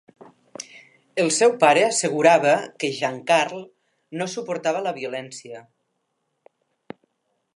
El seu pare assegurava que Jan-Carl no suportava la violència.